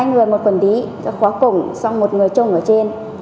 có quần đĩ có khóa cổng xong một người trồng ở trên